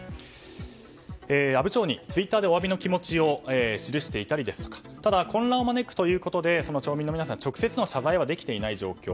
阿武町にツイッターでお詫びの気持ちを記していたりただ混乱を招くということで町民の皆さんへの直接の謝罪はできていない状況。